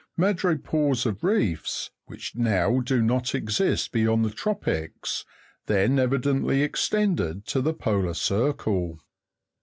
Madrepores of reefs, which now do not exist beyond the tropics, then evi dently extended to the polar circle.